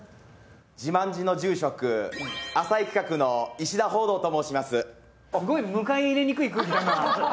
自慢寺の住職浅井企画の石田芳道と申します